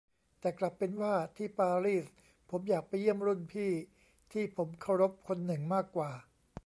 แต่กลับเป็นว่าที่ปารีสผมอยากไปเยี่ยมรุ่นพี่ที่ผมเคารพคนหนึ่งมากกว่า